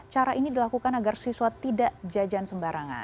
cara ini dilakukan agar siswa tidak jajan sembarangan